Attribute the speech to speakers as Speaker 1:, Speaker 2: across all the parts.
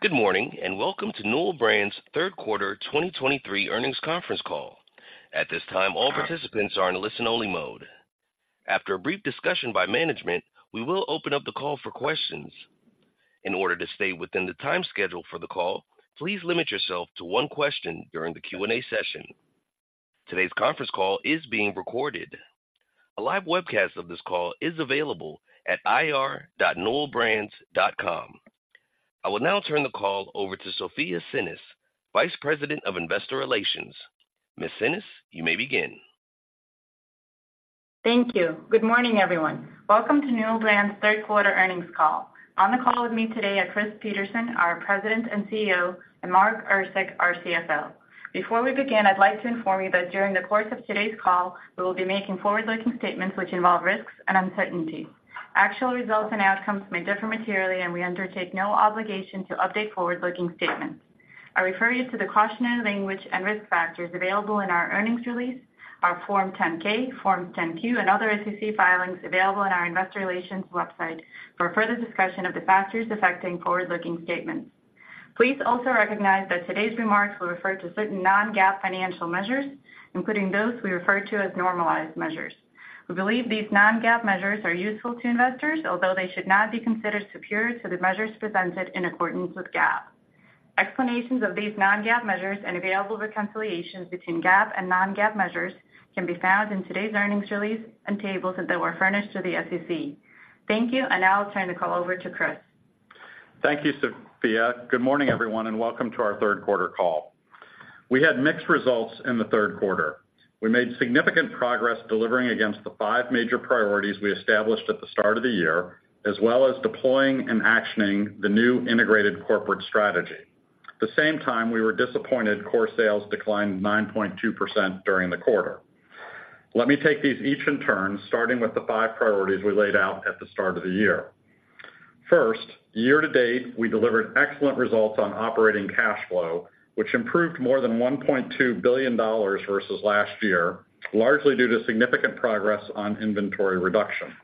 Speaker 1: Good morning, and welcome to Newell Brands' third quarter 2023 earnings conference call. At this time, all participants are in listen-only mode. After a brief discussion by management, we will open up the call for questions. In order to stay within the time schedule for the call, please limit yourself to one question during the Q&A session. Today's conference call is being recorded. A live webcast of this call is available at ir.newellbrands.com. I will now turn the call over to Sofya Tsinis, Vice President of Investor Relations. Ms. Tsinis, you may begin.
Speaker 2: Thank you. Good morning, everyone. Welcome to Newell Brands' third quarter earnings call. On the call with me today are Chris Peterson, our President and CEO, and Mark Erceg, our CFO. Before we begin, I'd like to inform you that during the course of today's call, we will be making forward-looking statements which involve risks and uncertainties. Actual results and outcomes may differ materially, and we undertake no obligation to update forward-looking statements. I refer you to the cautionary language and risk factors available in our earnings release, our Form 10-K, Form 10-Q, and other SEC filings available on our Investor Relations website for a further discussion of the factors affecting forward-looking statements. Please also recognize that today's remarks will refer to certain non-GAAP financial measures, including those we refer to as normalized measures. We believe these non-GAAP measures are useful to investors, although they should not be considered superior to the measures presented in accordance with GAAP. Explanations of these non-GAAP measures and available reconciliations between GAAP and non-GAAP measures can be found in today's earnings release and tables that were furnished to the SEC. Thank you, and now I'll turn the call over to Chris.
Speaker 3: Thank you, Sofya. Good morning, everyone, and welcome to our third quarter call. We had mixed results in the third quarter. We made significant progress delivering against the five major priorities we established at the start of the year, as well as deploying and actioning the new integrated corporate strategy. At the same time, we were disappointed core sales declined 9.2% during the quarter. Let me take these each in turn, starting with the five priorities we laid out at the start of the year. First, year to date, we delivered excellent results on operating cash flow, which improved more than $1.2 billion versus last year, largely due to significant progress on inventory reduction.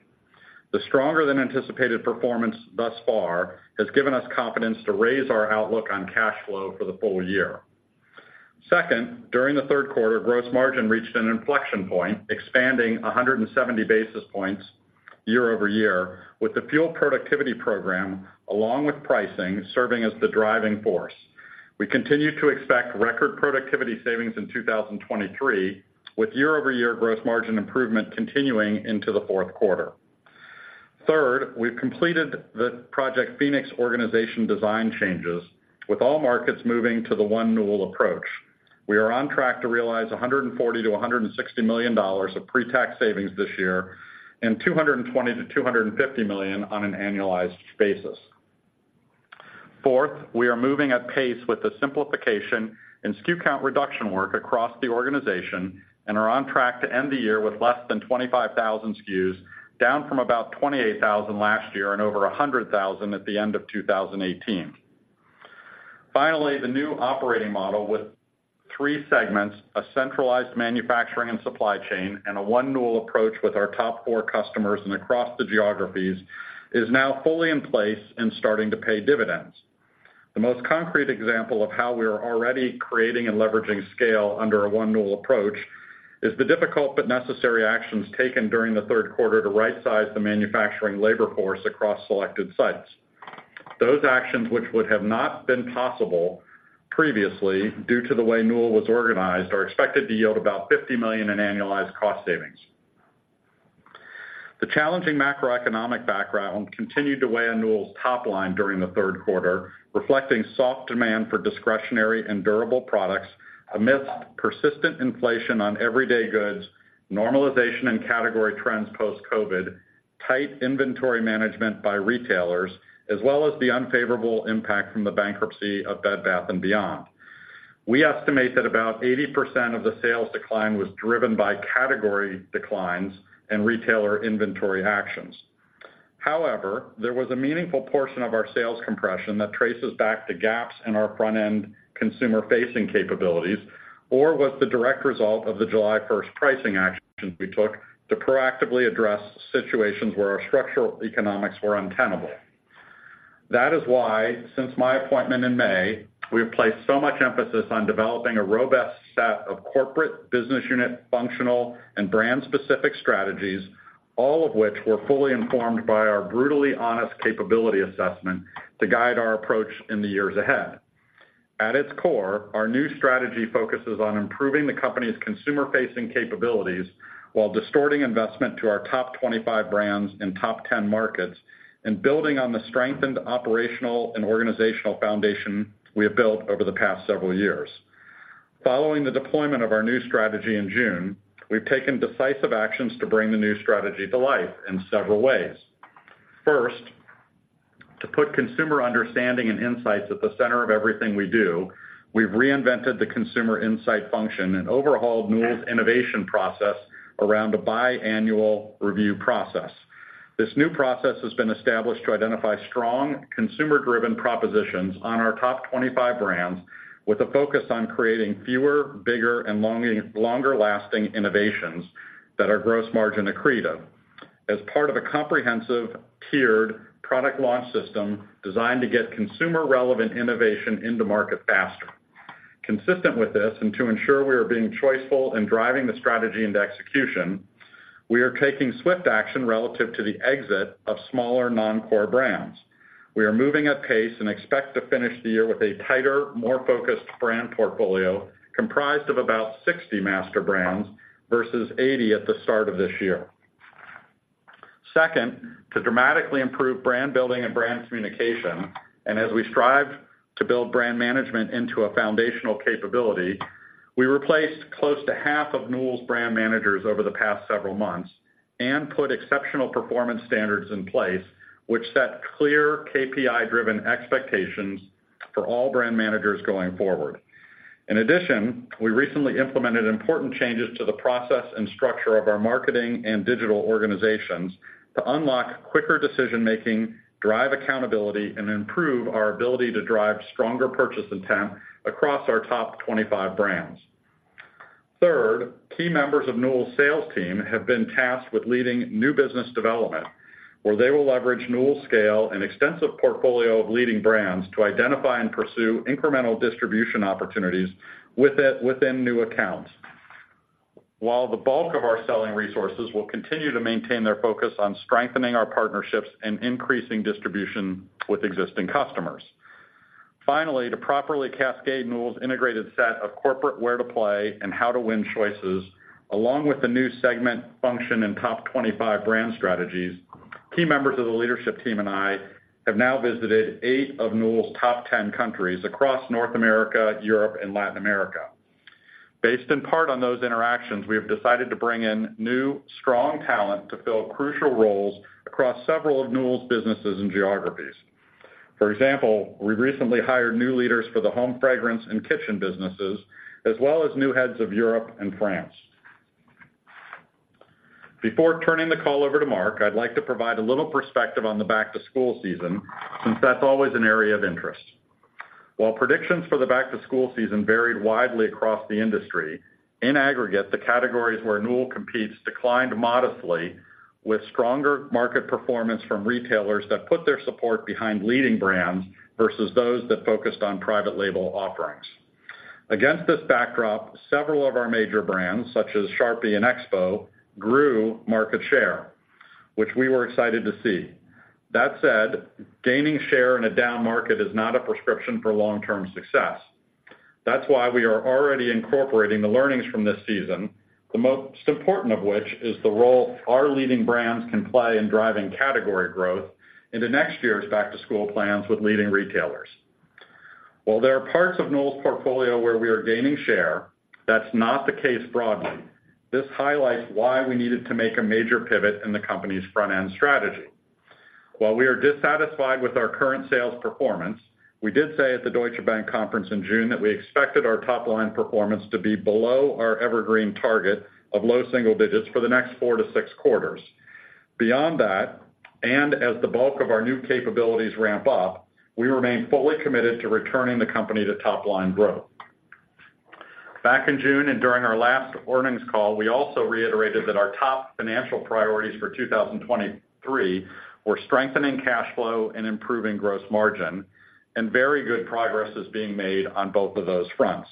Speaker 3: The stronger than anticipated performance thus far has given us confidence to raise our outlook on cash flow for the full year. Second, during the third quarter, gross margin reached an inflection point, expanding 170 basis points year-over-year, with the Fuel Productivity Program, along with pricing, serving as the driving force. We continue to expect record productivity savings in 2023, with year-over-year gross margin improvement continuing into the fourth quarter. Third, we've completed the Project Phoenix organization design changes, with all markets moving to the One Newell approach. We are on track to realize $140 million-$160 million of pre-tax savings this year and $220 million-$250 million on an annualized basis. Fourth, we are moving at pace with the simplification and SKU count reduction work across the organization and are on track to end the year with less than 25,000 SKUs, down from about 28,000 last year and over 100,000 at the end of 2018. Finally, the new operating model with three segments, a centralized manufacturing and supply chain, and a One Newell approach with our top four customers and across the geographies, is now fully in place and starting to pay dividends. The most concrete example of how we are already creating and leveraging scale under a One Newell approach is the difficult but necessary actions taken during the third quarter to rightsize the manufacturing labor force across selected sites. Those actions, which would have not been possible previously due to the way Newell was organized, are expected to yield about $50 million in annualized cost savings. The challenging macroeconomic background continued to weigh on Newell's top line during the third quarter, reflecting soft demand for discretionary and durable products amidst persistent inflation on everyday goods, normalization in category trends post-COVID, tight inventory management by retailers, as well as the unfavorable impact from the bankruptcy of Bed Bath & Beyond. We estimate that about 80% of the sales decline was driven by category declines and retailer inventory actions. However, there was a meaningful portion of our sales compression that traces back to gaps in our front-end consumer-facing capabilities, or was the direct result of the July 1 pricing actions we took to proactively address situations where our structural economics were untenable. That is why, since my appointment in May, we have placed so much emphasis on developing a robust set of corporate, business unit, functional, and brand-specific strategies, all of which were fully informed by our brutally honest capability assessment to guide our approach in the years ahead. At its core, our new strategy focuses on improving the company's consumer-facing capabilities while distorting investment to our top 25 brands and top 10 markets, and building on the strengthened operational and organizational foundation we have built over the past several years. Following the deployment of our new strategy in June, we've taken decisive actions to bring the new strategy to life in several ways. First, to put consumer understanding and insights at the center of everything we do, we've reinvented the consumer insight function and overhauled Newell's innovation process around a biannual review process. This new process has been established to identify strong, consumer-driven propositions on our top 25 brands with a focus on creating fewer, bigger, and longer-lasting innovations that are gross margin accretive, as part of a comprehensive, tiered product launch system designed to get consumer-relevant innovation into market faster. Consistent with this, and to ensure we are being choiceful in driving the strategy into execution, we are taking swift action relative to the exit of smaller, non-core brands. We are moving at pace and expect to finish the year with a tighter, more focused brand portfolio, comprised of about 60 master brands versus 80 at the start of this year. Second, to dramatically improve brand building and brand communication, and as we strive to build brand management into a foundational capability, we replaced close to half of Newell's brand managers over the past several months and put exceptional performance standards in place, which set clear KPI-driven expectations for all brand managers going forward. In addition, we recently implemented important changes to the process and structure of our marketing and digital organizations to unlock quicker decision-making, drive accountability, and improve our ability to drive stronger purchase intent across our top 25 brands. Third, key members of Newell's sales team have been tasked with leading new business development, where they will leverage Newell's scale and extensive portfolio of leading brands to identify and pursue incremental distribution opportunities within new accounts, while the bulk of our selling resources will continue to maintain their focus on strengthening our partnerships and increasing distribution with existing customers. Finally, to properly cascade Newell's integrated set of corporate where to play and how to win choices, along with the new segment function and top 25 brand strategies, key members of the leadership team and I have now visited eight of Newell's top 10 countries across North America, Europe, and Latin America. Based in part on those interactions, we have decided to bring in new, strong talent to fill crucial roles across several of Newell's businesses and geographies. For example, we recently hired new leaders for the home fragrance and kitchen businesses, as well as new heads of Europe and France. Before turning the call over to Mark, I'd like to provide a little perspective on the back-to-school season, since that's always an area of interest. While predictions for the back-to-school season varied widely across the industry, in aggregate, the categories where Newell competes declined modestly, with stronger market performance from retailers that put their support behind leading brands versus those that focused on private label offerings. Against this backdrop, several of our major brands, such as Sharpie and EXPO, grew market share, which we were excited to see. That said, gaining share in a down market is not a prescription for long-term success. That's why we are already incorporating the learnings from this season, the most important of which is the role our leading brands can play in driving category growth into next year's back-to-school plans with leading retailers. While there are parts of Newell's portfolio where we are gaining share, that's not the case broadly. This highlights why we needed to make a major pivot in the company's front-end strategy. While we are dissatisfied with our current sales performance, we did say at the Deutsche Bank conference in June that we expected our top-line performance to be below our evergreen target of low single digits for the next four to six quarters. Beyond that, and as the bulk of our new capabilities ramp up, we remain fully committed to returning the company to top-line growth. Back in June, and during our last earnings call, we also reiterated that our top financial priorities for 2023 were strengthening cash flow and improving gross margin, and very good progress is being made on both of those fronts.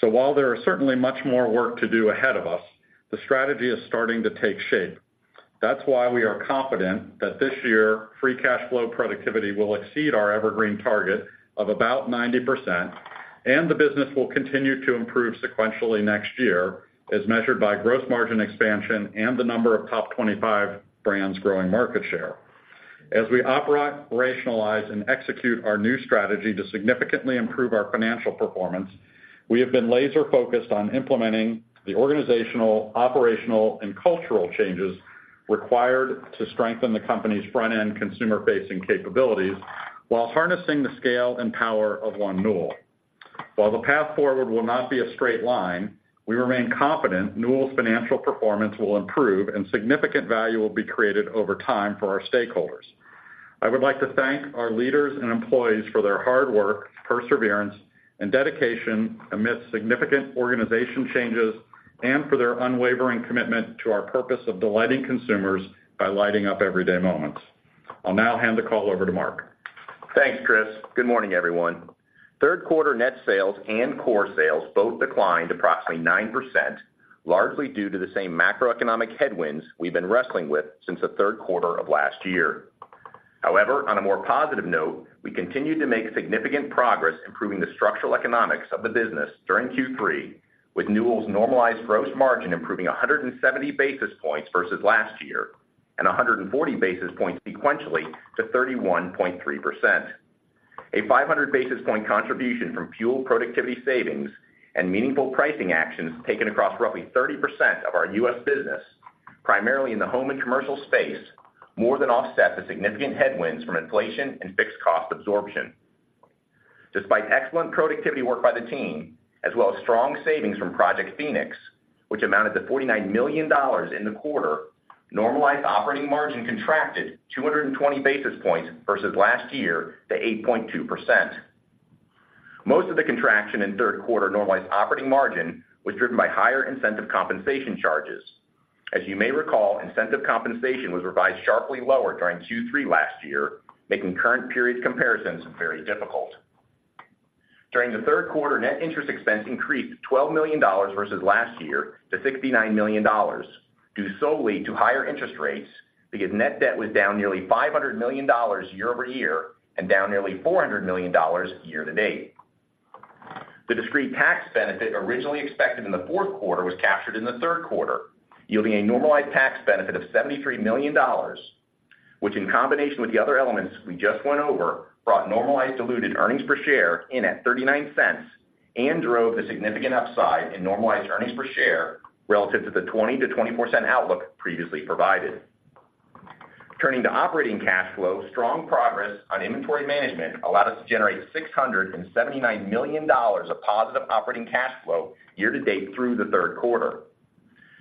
Speaker 3: So while there are certainly much more work to do ahead of us, the strategy is starting to take shape. That's why we are confident that this year, free cash flow productivity will exceed our evergreen target of about 90%, and the business will continue to improve sequentially next year, as measured by gross margin expansion and the number of top 25 brands growing market share. As we operationalize and execute our new strategy to significantly improve our financial performance, we have been laser-focused on implementing the organizational, operational, and cultural changes required to strengthen the company's front-end, consumer-facing capabilities while harnessing the scale and power of One Newell. While the path forward will not be a straight line, we remain confident Newell's financial performance will improve and significant value will be created over time for our stakeholders. I would like to thank our leaders and employees for their hard work, perseverance, and dedication amidst significant organizational changes and for their unwavering commitment to our purpose of delighting consumers by lighting up everyday moments. I'll now hand the call over to Mark.
Speaker 4: Thanks, Chris. Good morning, everyone. Third quarter net sales and core sales both declined approximately 9%, largely due to the same macroeconomic headwinds we've been wrestling with since the third quarter of last year. However, on a more positive note, we continued to make significant progress improving the structural economics of the business during Q3, with Newell's normalized gross margin improving 170 basis points versus last year, and 140 basis points sequentially to 31.3%. A 500 basis point contribution from fuel productivity savings and meaningful pricing actions taken across roughly 30% of our U.S. business, primarily in the home and commercial space, more than offset the significant headwinds from inflation and fixed cost absorption. Despite excellent productivity work by the team, as well as strong savings from Project Phoenix, which amounted to $49 million in the quarter, normalized operating margin contracted 220 basis points versus last year to 8.2%. Most of the contraction in third quarter normalized operating margin was driven by higher incentive compensation charges. As you may recall, incentive compensation was revised sharply lower during Q3 last year, making current period comparisons very difficult. During the third quarter, net interest expense increased $12 million versus last year to $69 million, due solely to higher interest rates, because net debt was down nearly $500 million year-over-year and down nearly $400 million year to date. The discrete tax benefit originally expected in the fourth quarter was captured in the third quarter, yielding a normalized tax benefit of $73 million, which, in combination with the other elements we just went over, brought normalized diluted earnings per share in at $0.39 and drove the significant upside in normalized earnings per share relative to the $0.20-$0.24 outlook previously provided. Turning to operating cash flow, strong progress on inventory management allowed us to generate $679 million of positive operating cash flow year to date through the third quarter.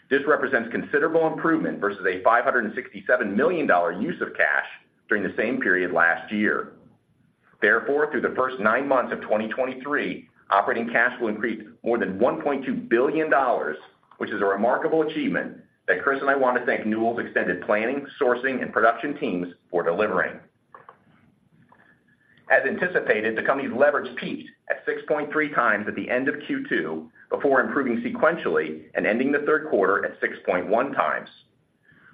Speaker 4: This represents considerable improvement versus a $567 million use of cash during the same period last year. Therefore, through the first nine months of 2023, operating cash flow increased more than $1.2 billion, which is a remarkable achievement that Chris and I want to thank Newell's extended planning, sourcing, and production teams for delivering. As anticipated, the company's leverage peaked at 6.3x at the end of Q2, before improving sequentially and ending the third quarter at 6.1x.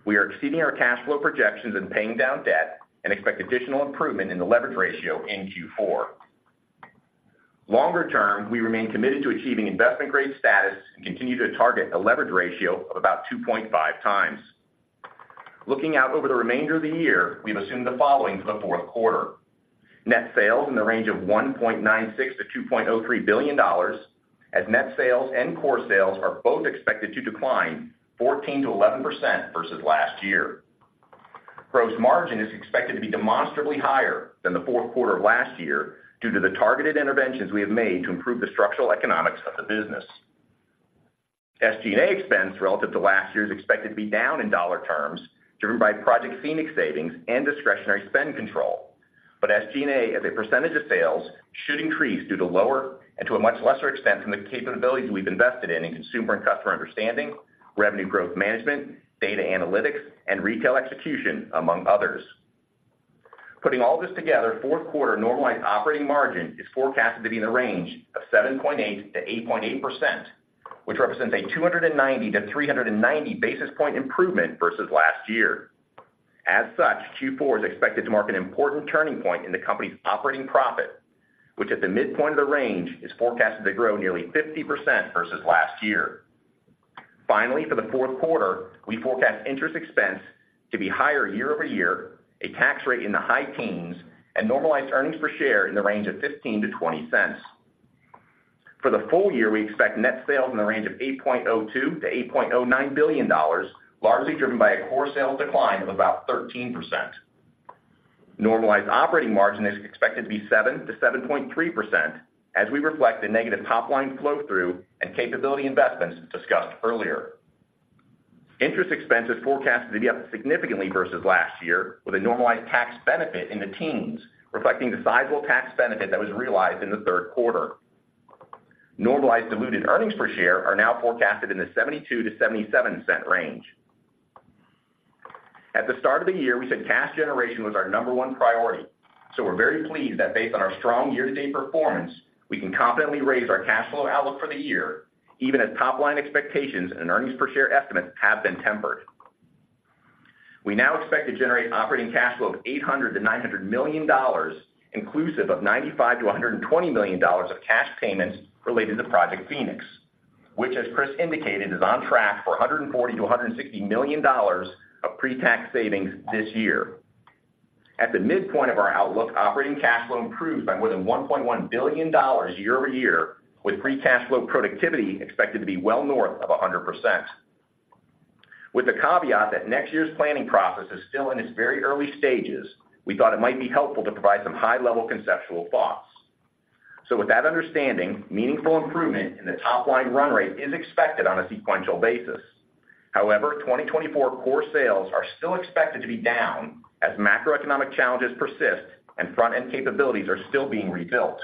Speaker 4: We are exceeding our cash flow projections and paying down debt and expect additional improvement in the leverage ratio in Q4. Longer term, we remain committed to achieving investment grade status and continue to target a leverage ratio of about 2.5x. Looking out over the remainder of the year, we've assumed the following for the fourth quarter. Net sales in the range of $1.96 billion-$2.03 billion, as net sales and core sales are both expected to decline 14%-11% versus last year. Gross margin is expected to be demonstrably higher than the fourth quarter of last year due to the targeted interventions we have made to improve the structural economics of the business. SG&A expense relative to last year is expected to be down in dollar terms, driven by Project Phoenix savings and discretionary spend control. But SG&A, as a percentage of sales, should increase due to lower and to a much lesser extent from the capabilities we've invested in, in consumer and customer understanding, revenue growth management, data analytics, and retail execution, among others. Putting all this together, fourth quarter normalized operating margin is forecasted to be in the range of 7.8%-8.8%, which represents a 290-390 basis point improvement versus last year. As such, Q4 is expected to mark an important turning point in the company's operating profit, which at the midpoint of the range, is forecasted to grow nearly 50% versus last year. Finally, for the fourth quarter, we forecast interest expense to be higher year-over-year, a tax rate in the high teens, and normalized earnings per share in the range of $0.15-$0.20. For the full year, we expect net sales in the range of $8.02 billion-$8.09 billion, largely driven by a core sales decline of about 13%. Normalized operating margin is expected to be 7%-7.3% as we reflect the negative top line flow-through and capability investments discussed earlier. Interest expense is forecasted to be up significantly versus last year, with a normalized tax benefit in the teens, reflecting the sizable tax benefit that was realized in the third quarter. Normalized diluted earnings per share are now forecasted in the $0.72-$0.77 range. At the start of the year, we said cash generation was our number one priority, so we're very pleased that based on our strong year-to-date performance, we can confidently raise our cash flow outlook for the year, even as top line expectations and earnings per share estimates have been tempered. We now expect to generate operating cash flow of $800 million-$900 million, inclusive of $95 million-$120 million of cash payments related to Project Phoenix, which, as Chris indicated, is on track for $140 million-$160 million of pre-tax savings this year. At the midpoint of our outlook, operating cash flow improves by more than $1.1 billion year-over-year, with free cash flow productivity expected to be well north of 100%. With the caveat that next year's planning process is still in its very early stages, we thought it might be helpful to provide some high-level conceptual thoughts. So with that understanding, meaningful improvement in the top line run rate is expected on a sequential basis. However, 2024 core sales are still expected to be down as macroeconomic challenges persist and front-end capabilities are still being rebuilt.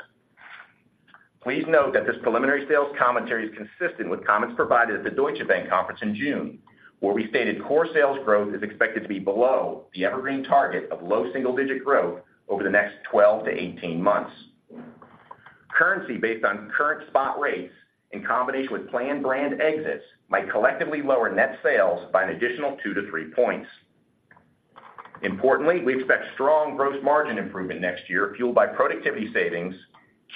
Speaker 4: Please note that this preliminary sales commentary is consistent with comments provided at the Deutsche Bank conference in June, where we stated core sales growth is expected to be below the evergreen target of low single-digit growth over the next 12-18 months. Currency based on current spot rates, in combination with planned brand exits, might collectively lower net sales by an additional 2-3 points. Importantly, we expect strong gross margin improvement next year, fueled by productivity savings,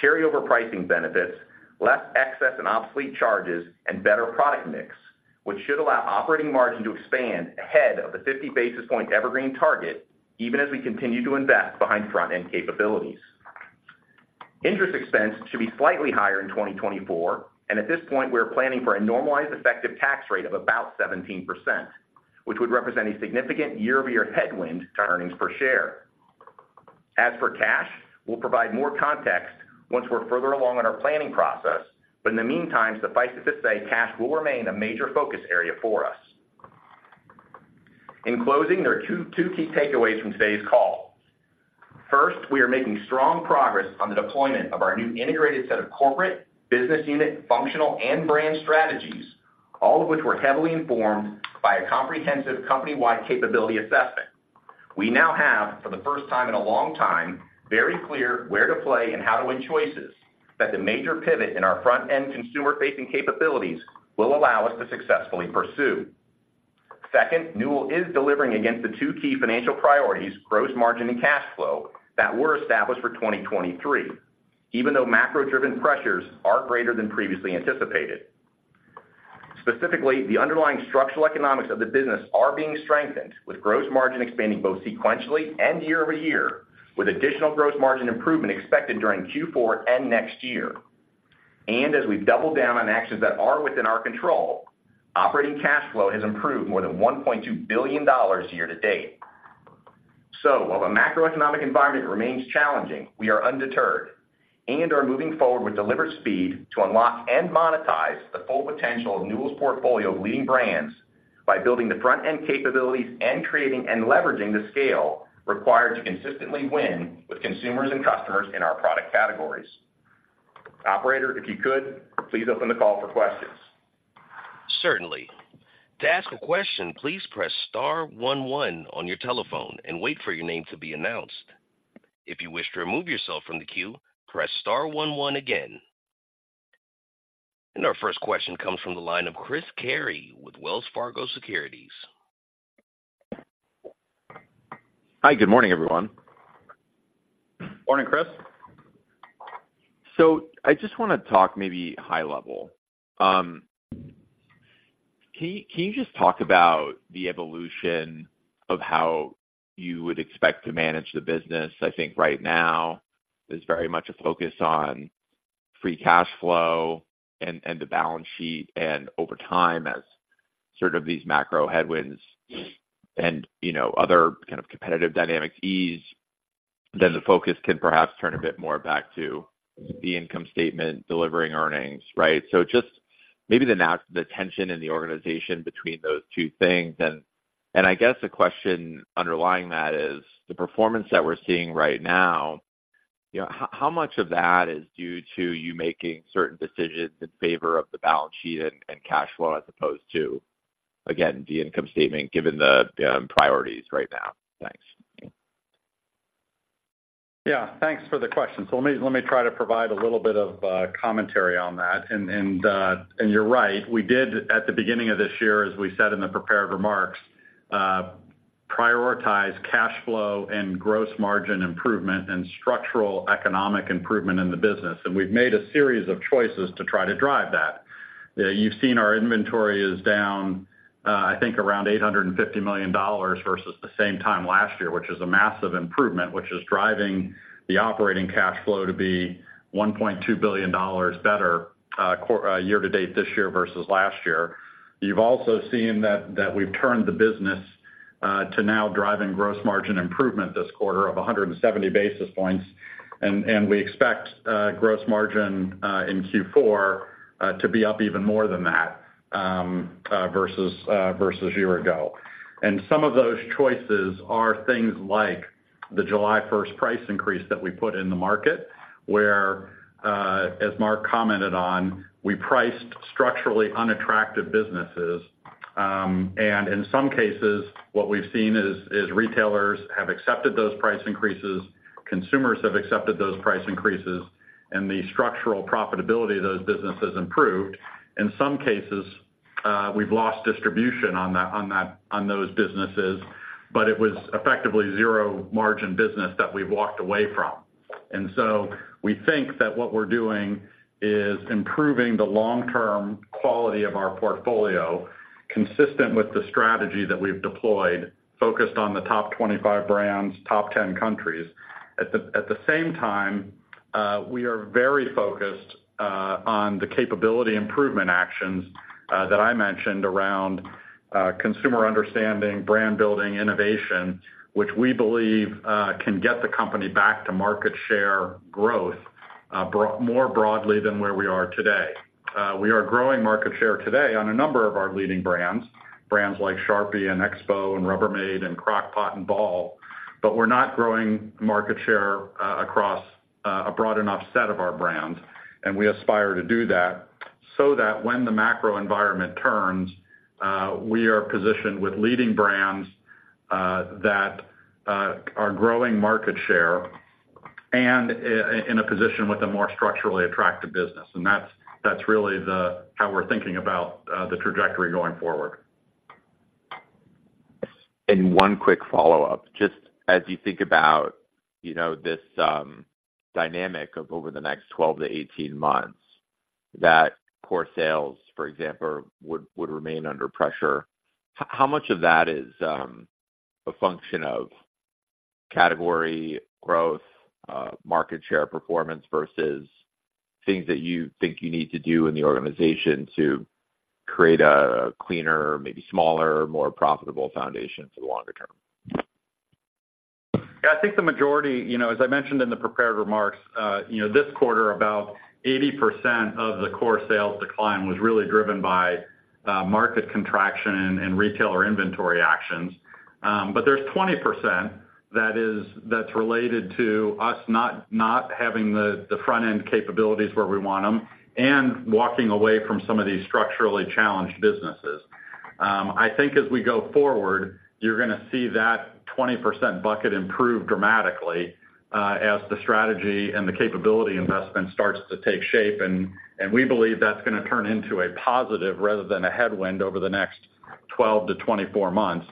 Speaker 4: carryover pricing benefits, less excess and obsolete charges, and better product mix, which should allow operating margin to expand ahead of the 50 basis point evergreen target, even as we continue to invest behind front-end capabilities. Interest expense should be slightly higher in 2024, and at this point, we are planning for a normalized effective tax rate of about 17%, which would represent a significant year-over-year headwind to earnings per share. As for cash, we'll provide more context once we're further along in our planning process, but in the meantime, suffice it to say, cash will remain a major focus area for us. In closing, there are two key takeaways from today's call. First, we are making strong progress on the deployment of our new integrated set of corporate, business unit, functional, and brand strategies, all of which were heavily informed by a comprehensive company-wide capability assessment. We now have, for the first time in a long time, very clear where to play and how to win choices, that the major pivot in our front-end consumer-facing capabilities will allow us to successfully pursue. Second, Newell is delivering against the two key financial priorities, gross margin and cash flow, that were established for 2023, even though macro-driven pressures are greater than previously anticipated. Specifically, the underlying structural economics of the business are being strengthened, with gross margin expanding both sequentially and year-over-year, with additional gross margin improvement expected during Q4 and next year. As we've doubled down on actions that are within our control, operating cash flow has improved more than $1.2 billion year-to-date. While the macroeconomic environment remains challenging, we are undeterred and are moving forward with deliberate speed to unlock and monetize the full potential of Newell's portfolio of leading brands by building the front-end capabilities and creating and leveraging the scale required to consistently win with consumers and customers in our product categories. Operator, if you could, please open the call for questions.
Speaker 1: Certainly. To ask a question, please press star one one on your telephone and wait for your name to be announced. If you wish to remove yourself from the queue, press star one one again. Our first question comes from the line of Chris Carey with Wells Fargo Securities.
Speaker 5: Hi, good morning, everyone.
Speaker 4: Morning, Chris.
Speaker 5: So I just wanna talk maybe high level. Can you just talk about the evolution of how you would expect to manage the business? I think right now, there's very much a focus on free cash flow and the balance sheet, and over time, as sort of these macro headwinds and, you know, other kind of competitive dynamics ease, then the focus can perhaps turn a bit more back to the income statement, delivering earnings, right? Just maybe the tension in the organization between those two things. I guess, the question underlying that is, the performance that we're seeing right now, you know, how much of that is due to you making certain decisions in favor of the balance sheet and cash flow, as opposed to, again, the income statement, given the priorities right now? Thanks.
Speaker 3: Yeah, thanks for the question. So let me try to provide a little bit of commentary on that. And you're right, we did, at the beginning of this year, as we said in the prepared remarks, prioritize cash flow and gross margin improvement and structural economic improvement in the business, and we've made a series of choices to try to drive that. You've seen our inventory is down, I think around $850 million versus the same time last year, which is a massive improvement, which is driving the operating cash flow to be $1.2 billion better, year to date this year versus last year. You've also seen that we've turned the business to now driving gross margin improvement this quarter of 170 basis points, and we expect gross margin in Q4 to be up even more than that versus a year ago. Some of those choices are things like the July 1st price increase that we put in the market, where as Mark commented on, we priced structurally unattractive businesses. In some cases, what we've seen is retailers have accepted those price increases, consumers have accepted those price increases, and the structural profitability of those businesses improved. In some cases, we've lost distribution on those businesses, but it was effectively zero margin business that we've walked away from. And so we think that what we're doing is improving the long-term quality of our portfolio, consistent with the strategy that we've deployed, focused on the top 25 brands, top 10 countries. At the same time, we are very focused on the capability improvement actions that I mentioned around consumer understanding, brand building, innovation, which we believe can get the company back to market share growth more broadly than where we are today. We are growing market share today on a number of our leading brands, brands like Sharpie and Expo and Rubbermaid and Crock-Pot and Ball, but we're not growing market share across a broad enough set of our brands, and we aspire to do that, so that when the macro environment turns, we are positioned with leading brands that are growing market share and in a position with a more structurally attractive business. And that's, that's really the, how we're thinking about the trajectory going forward.
Speaker 5: One quick follow-up. Just as you think about, you know, this dynamic of over the next 12-18 months, that core sales, for example, would remain under pressure. How much of that is a function of category growth, market share performance versus things that you think you need to do in the organization to create a cleaner, maybe smaller, more profitable foundation for the longer term?
Speaker 3: Yeah, I think the majority, you know, as I mentioned in the prepared remarks, you know, this quarter, about 80% of the core sales decline was really driven by market contraction and retailer inventory actions. But there's 20% that is- that's related to us not having the front-end capabilities where we want them, and walking away from some of these structurally challenged businesses. I think as we go forward, you're gonna see that 20% bucket improve dramatically as the strategy and the capability investment starts to take shape, and we believe that's gonna turn into a positive rather than a headwind over the next 12-24 months.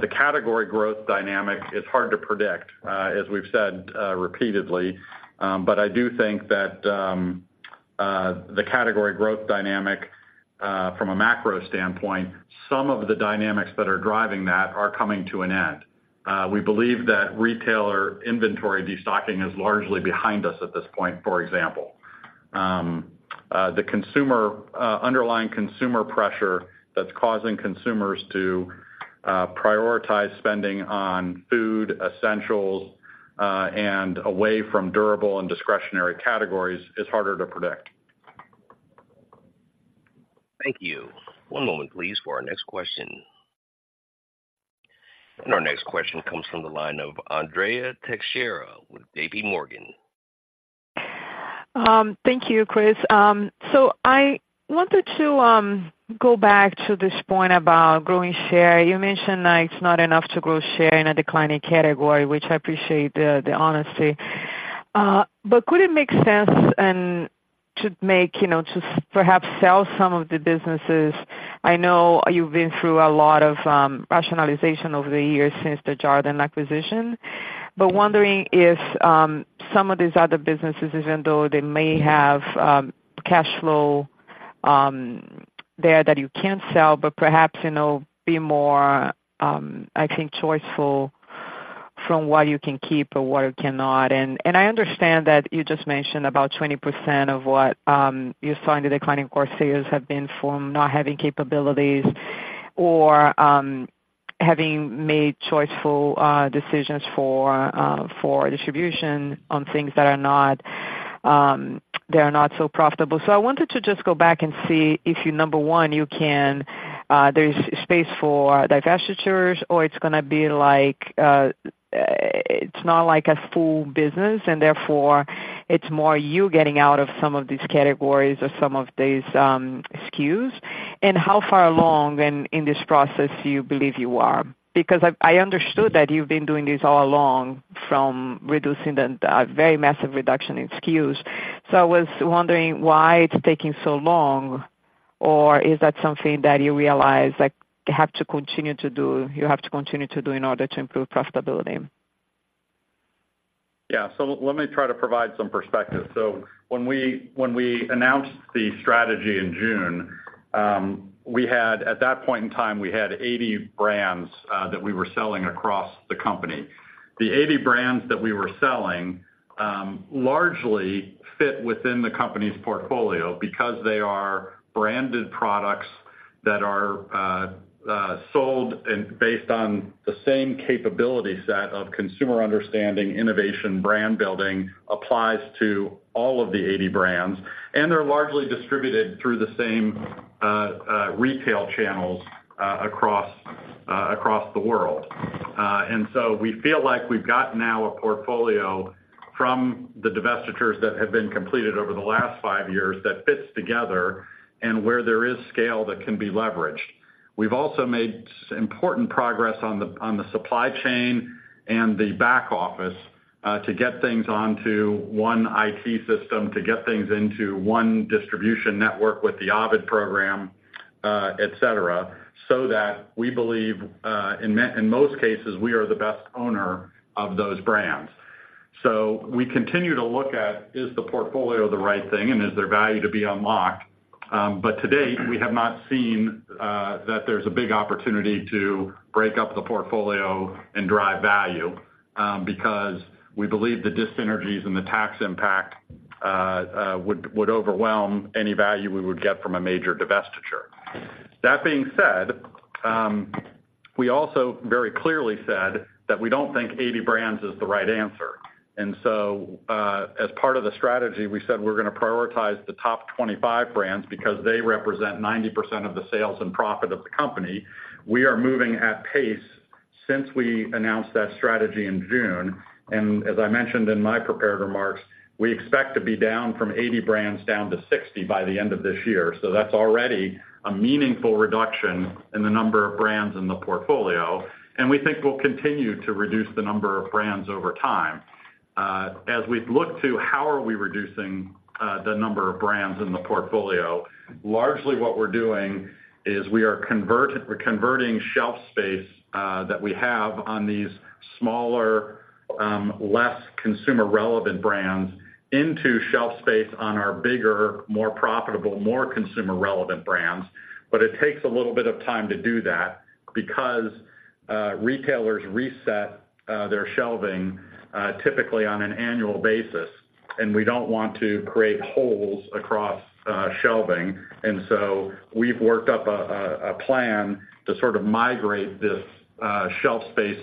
Speaker 3: The category growth dynamic is hard to predict as we've said repeatedly. But I do think that the category growth dynamic, from a macro standpoint, some of the dynamics that are driving that are coming to an end. We believe that retailer inventory destocking is largely behind us at this point, for example. Underlying consumer pressure that's causing consumers to prioritize spending on food, essentials, and away from durable and discretionary categories is harder to predict.
Speaker 1: Thank you. One moment, please, for our next question. Our next question comes from the line of Andrea Teixeira with JPMorgan.
Speaker 6: Thank you, Chris. So I wanted to go back to this point about growing share. You mentioned that it's not enough to grow share in a declining category, which I appreciate the honesty. But could it make sense and to make, you know, to perhaps sell some of the businesses? I know you've been through a lot of rationalization over the years since the Jarden acquisition, but wondering if some of these other businesses, even though they may have cash flow there that you can sell, but perhaps, you know, be more, I think, choiceful from what you can keep or what you cannot. I understand that you just mentioned about 20% of what you saw in the declining core sales have been from not having capabilities or having made choiceful decisions for distribution on things that are not so profitable. So I wanted to just go back and see if you, number one, you can, there's space for divestitures, or it's gonna be like, it's not like a full business, and therefore, it's more you getting out of some of these categories or some of these SKUs. And how far along in this process do you believe you are? Because I understood that you've been doing this all along from reducing the very massive reduction in SKUs. I was wondering why it's taking so long, or is that something that you realize, like, you have to continue to do, you have to continue to do in order to improve profitability?
Speaker 3: Yeah. So let me try to provide some perspective. So when we announced the strategy in June, we had—at that point in time, we had 80 brands that we were selling across the company. The 80 brands that we were selling largely fit within the company's portfolio because they are branded products that are sold and based on the same capability set of consumer understanding, innovation, brand building, applies to all of the 80 brands, and they're largely distributed through the same retail channels across the world. And so we feel like we've got now a portfolio from the divestitures that have been completed over the last five years that fits together and where there is scale that can be leveraged. We've also made important progress on the supply chain and the back office to get things onto one IT system, to get things into one distribution network with the Ovid program, et cetera, so that we believe in most cases, we are the best owner of those brands. We continue to look at, is the portfolio the right thing, and is there value to be unlocked? To date, we have not seen that there's a big opportunity to break up the portfolio and drive value, because we believe the dis-synergies and the tax impact would overwhelm any value we would get from a major divestiture. That being said, we also very clearly said that we don't think 80 brands is the right answer. As part of the strategy, we said we're gonna prioritize the top 25 brands because they represent 90% of the sales and profit of the company. We are moving at pace since we announced that strategy in June, and as I mentioned in my prepared remarks, we expect to be down from 80 brands down to 60 by the end of this year. That's already a meaningful reduction in the number of brands in the portfolio, and we think we'll continue to reduce the number of brands over time. As we've looked to how are we reducing the number of brands in the portfolio, largely what we're doing is we're converting shelf space that we have on these smaller, less consumer-relevant brands into shelf space on our bigger, more profitable, more consumer-relevant brands. But it takes a little bit of time to do that because retailers reset their shelving typically on an annual basis. And we don't want to create holes across shelving. And so we've worked up a plan to sort of migrate this shelf space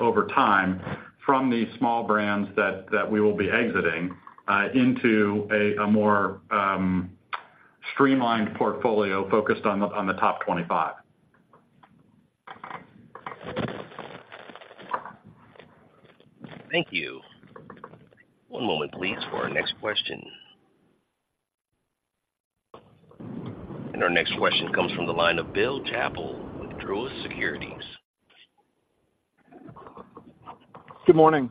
Speaker 3: over time from these small brands that we will be exiting into a more streamlined portfolio focused on the top 25.
Speaker 1: Thank you. One moment, please, for our next question. Our next question comes from the line of Bill Chappell with Truist Securities.
Speaker 7: Good morning.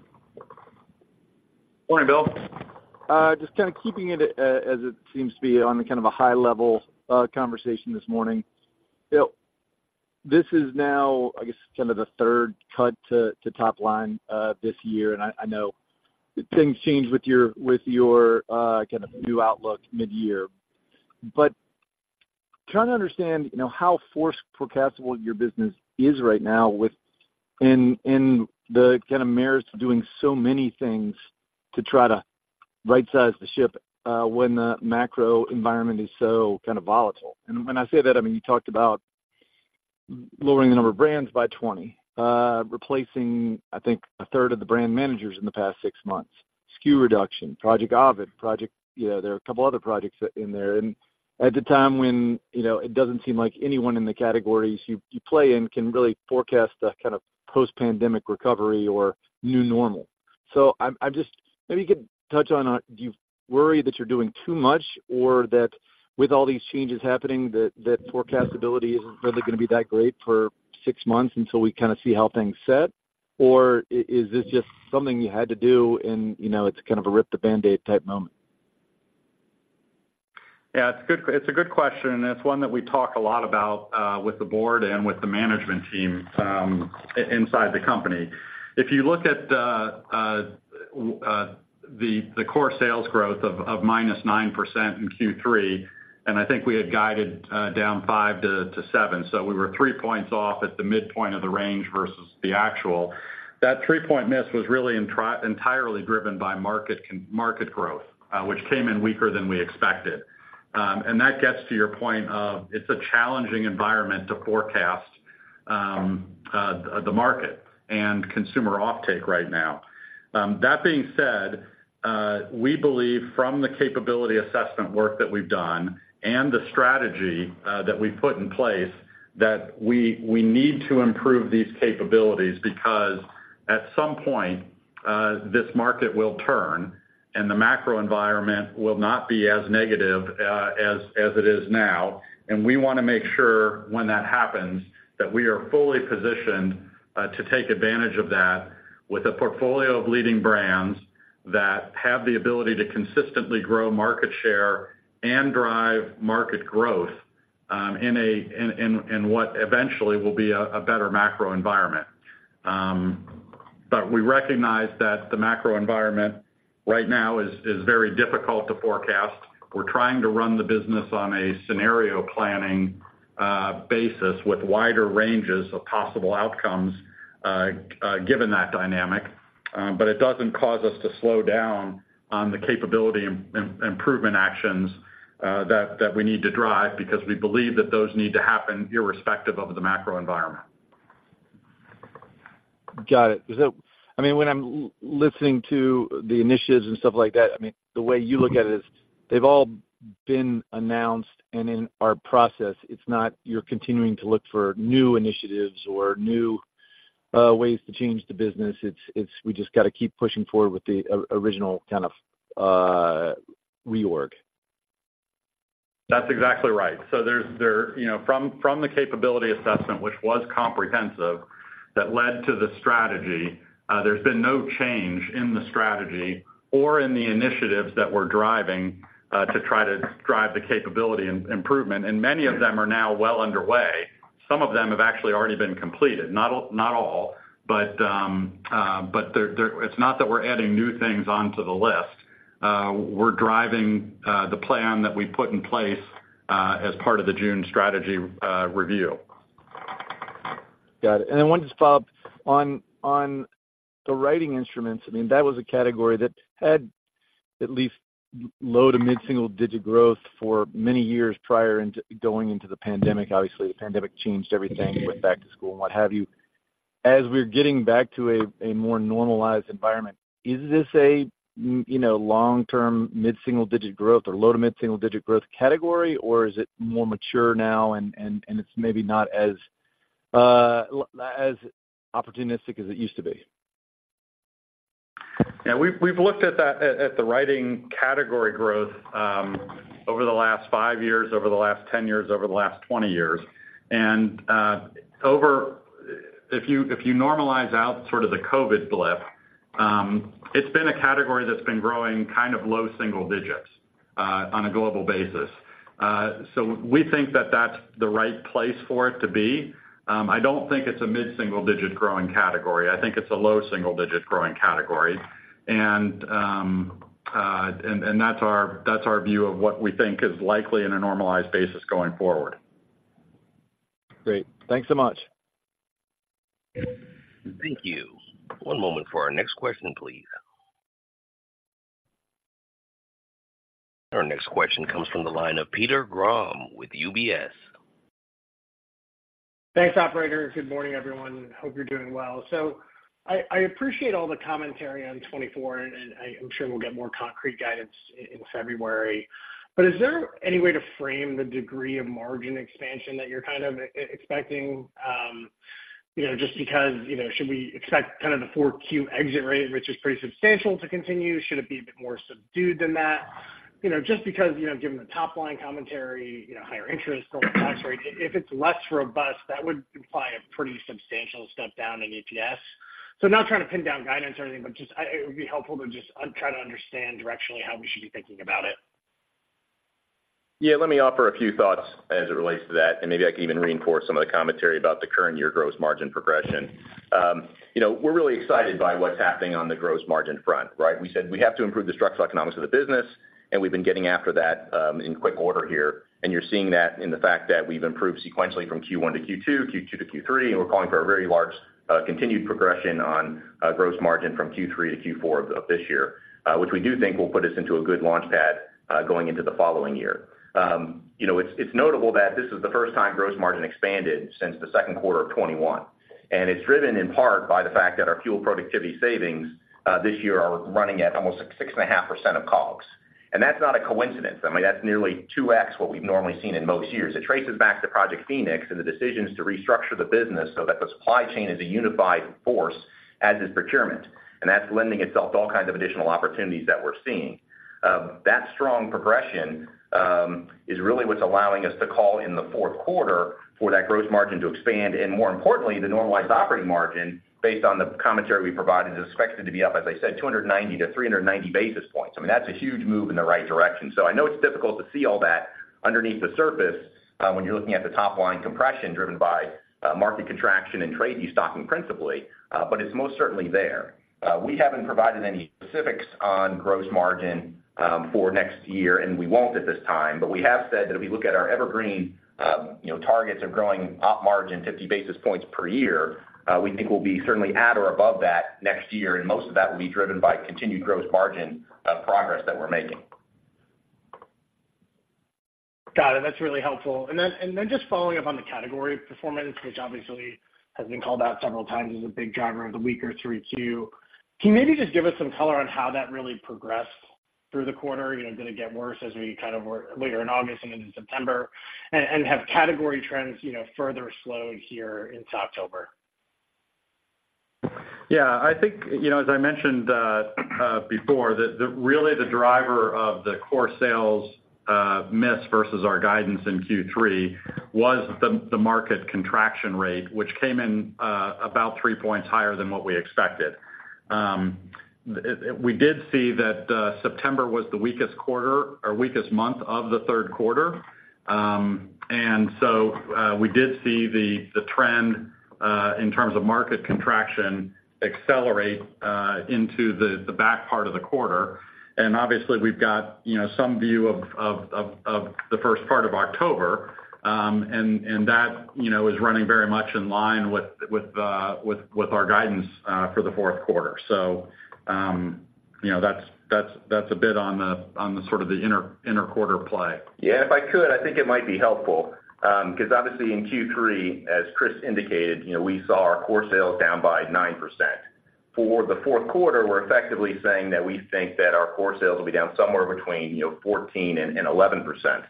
Speaker 3: Morning, Bill.
Speaker 7: Just kind of keeping it, as it seems to be on kind of a high level conversation this morning. Bill, this is now, I guess, kind of the third cut to top line this year, and I know things change with your new outlook mid-year. Trying to understand, you know, how forecastable your business is right now with—in the kind of merits of doing so many things to try to right size the ship, when the macro environment is so kind of volatile. When I say that, I mean, you talked about lowering the number of brands by 20, replacing, I think, a third of the brand managers in the past six months, SKU reduction, Project Ovid, project... You know, there are a couple other projects in there. At a time when, you know, it doesn't seem like anyone in the categories you play in can really forecast a kind of post-pandemic recovery or new normal. I'm just—maybe you could touch on, do you worry that you're doing too much or that with all these changes happening, that forecastability isn't really going to be that great for six months until we kind of see how things set? Or is this just something you had to do and, you know, it's kind of a rip-the-Band-Aid type moment?
Speaker 3: Yeah, it's a good, it's a good question, and it's one that we talk a lot about with the board and with the management team, inside the company. If you look at the core sales growth of minus 9% in Q3, and I think we had guided down 5%-7%. We were 3 points off at the midpoint of the range versus the actual. That 3-point miss was really entirely driven by market growth, which came in weaker than we expected. That gets to your point of it's a challenging environment to forecast, the market and consumer offtake right now. That being said, we believe from the capability assessment work that we've done and the strategy that we've put in place, that we need to improve these capabilities, because at some point this market will turn, and the macro environment will not be as negative as it is now. And we want to make sure when that happens, that we are fully positioned to take advantage of that with a portfolio of leading brands that have the ability to consistently grow market share and drive market growth in what eventually will be a better macro environment. But we recognize that the macro environment right now is very difficult to forecast. We're trying to run the business on a scenario planning basis with wider ranges of possible outcomes, given that dynamic. But it doesn't cause us to slow down on the capability improvement actions that we need to drive, because we believe that those need to happen irrespective of the macro environment.
Speaker 7: Got it. I mean, when I'm listening to the initiatives and stuff like that, I mean, the way you look at it is, they've all been announced and in our process, it's not you're continuing to look for new initiatives or new ways to change the business. It's, it's we just got to keep pushing forward with the original kind of reorg.
Speaker 3: That's exactly right. You know, from the capability assessment, which was comprehensive, that led to the strategy, there's been no change in the strategy or in the initiatives that we're driving to try to drive the capability and improvement, and many of them are now well underway. Some of them have actually already been completed. Not all, but they're it's not that we're adding new things onto the list. We're driving the plan that we put in place as part of the June strategy review.
Speaker 7: Got it. One just follow-up. On the writing instruments, I mean, that was a category that had at least low- to mid-single digit growth for many years prior to going into the pandemic. Obviously, the pandemic changed everything with back to school and what have you. As we're getting back to a more normalized environment, is this a, you know, long-term, mid-single digit growth or low- to mid-single digit growth category, or is it more mature now and it's maybe not as, as opportunistic as it used to be?
Speaker 3: Yeah, we've looked at that, at the writing category growth, over the last five years, over the last 10 years, over the last 20 years. If you normalize out sort of the COVID blip, it's been a category that's been growing kind of low single digits, on a global basis. So we think that that's the right place for it to be. I don't think it's a mid-single digit growing category. I think it's a low single digit growing category. And that's our view of what we think is likely in a normalized basis going forward. Great. Thanks so much.
Speaker 1: Thank you. One moment for our next question, please. Our next question comes from the line of Peter Grom with UBS.
Speaker 8: Thanks, operator. Good morning, everyone. Hope you're doing well. So I appreciate all the commentary on 2024, and I'm sure we'll get more concrete guidance in February. But is there any way to frame the degree of margin expansion that you're kind of expecting, you know, just because, you know, should we expect kind of the 4Q exit rate, which is pretty substantial, to continue? Should it be a bit more subdued than that? You know, just because, you know, given the top line commentary, you know, higher interest rates, if it's less robust, that would imply a pretty substantial step down in EPS. So not trying to pin down guidance or anything, but just, it would be helpful to just try to understand directionally how we should be thinking about it.
Speaker 4: Yeah, let me offer a few thoughts as it relates to that, and maybe I can even reinforce some of the commentary about the current year gross margin progression. You know, we're really excited by what's happening on the gross margin front, right? We said we have to improve the structural economics of the business, and we've been getting after that, in quick order here. And you're seeing that in the fact that we've improved sequentially from Q1 to Q2, Q2 to Q3, and we're calling for a very large, continued progression on, gross margin from Q3 to Q4 of this year. Which we do think will put us into a good launchpad, going into the following year. You know, it's notable that this is the first time gross margin expanded since the second quarter of 2021, and it's driven in part by the fact that our fuel productivity savings this year are running at almost 6.5% of COGS. And that's not a coincidence. I mean, that's nearly 2x what we've normally seen in most years. It traces back to Project Phoenix and the decisions to restructure the business so that the supply chain is a unified force, as is procurement. And that's lending itself to all kinds of additional opportunities that we're seeing. That strong progression is really what's allowing us to call in the fourth quarter for that gross margin to expand, and more importantly, the normalized operating margin, based on the commentary we provided, is expected to be up, as I said, 290-390 basis points. I mean, that's a huge move in the right direction. So I know it's difficult to see all that underneath the surface, when you're looking at the top line compression driven by, market contraction and trade destocking principally, but it's most certainly there. We haven't provided any specifics on gross margin, for next year, and we won't at this time. But we have said that if we look at our evergreen, you know, targets of growing op margin 50 basis points per year, we think we'll be certainly at or above that next year, and most of that will be driven by continued gross margin, progress that we're making.
Speaker 8: Got it. That's really helpful. And then, and then just following up on the category performance, which obviously has been called out several times as a big driver of the weaker 3Q. Can you maybe just give us some color on how that really progressed through the quarter? You know, did it get worse as we kind of were later in August and into September? And, and have category trends, you know, further slowed here into October?
Speaker 3: Yeah, I think, you know, as I mentioned before, really the driver of the core sales miss versus our guidance in Q3 was the market contraction rate, which came in about 3 points higher than what we expected. We did see that September was the weakest month of the third quarter. We did see the trend in terms of market contraction accelerate into the back part of the quarter. Obviously, we've got, you know, some view of the first part of October, and that, you know, is running very much in line with our guidance for the fourth quarter. So, you know, that's a bit on the sort of the inner quarter play.
Speaker 4: Yeah, if I could, I think it might be helpful, 'cause obviously in Q3, as Chris indicated, you know, we saw our core sales down by 9%. For the fourth quarter, we're effectively saying that we think that our core sales will be down somewhere between, you know, 14% and 11%.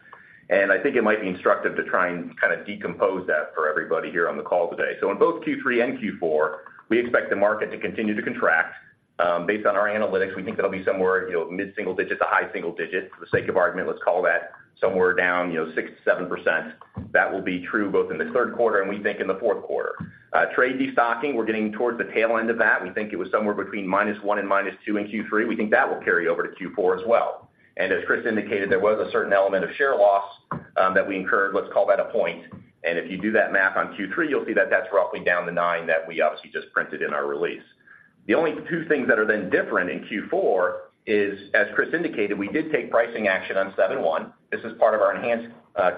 Speaker 4: And I think it might be instructive to try and kind of decompose that for everybody here on the call today. So in both Q3 and Q4, we expect the market to continue to contract. Based on our analytics, we think that'll be somewhere, you know, mid-single digit to high single digit. For the sake of argument, let's call that somewhere down, you know, 6%-7%. That will be true both in the third quarter and we think in the fourth quarter. Trade destocking, we're getting towards the tail end of that. We think it was somewhere between -1 and -2 in Q3. We think that will carry over to Q4 as well. As Chris indicated, there was a certain element of share loss that we incurred. Let's call that a point. If you do that math on Q3, you'll see that that's roughly down to 9 that we obviously just printed in our release. The only two things that are then different in Q4 is, as Chris indicated, we did take pricing action on July 1. This is part of our enhanced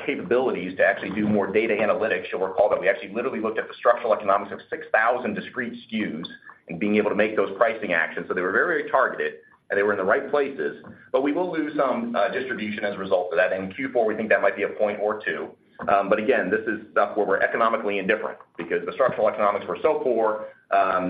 Speaker 4: capabilities to actually do more data analytics. You'll recall that we actually literally looked at the structural economics of 6,000 discrete SKUs and being able to make those pricing actions. So they were very targeted, and they were in the right places, but we will lose some distribution as a result of that. In Q4, we think that might be a point or two. But again, this is stuff where we're economically indifferent because the structural economics were so poor,